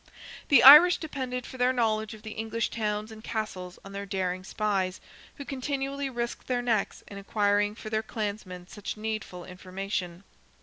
The Irish depended for their knowledge of the English towns and castles on their daring spies, who continually risked their necks in acquiring for their clansmen such needful information.